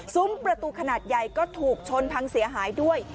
ประตูขนาดใหญ่ก็ถูกชนพังเสียหายด้วย